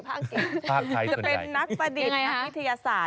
ภาคไทยส่วนใหญ่จะเป็นนักประดิษฐ์นักวิทยาศาสตร์